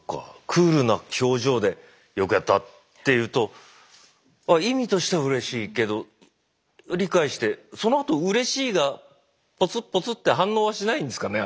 クールな表情で「よくやった」って言うとあ意味としてはうれしいけど理解してそのあとうれしいが「ポツッポツッ」って反応はしないんですかね